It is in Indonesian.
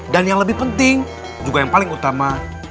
dan yang lebih penting juga yang paling utama